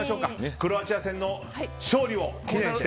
クロアチア戦の勝利を祈念して。